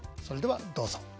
それではどうぞ。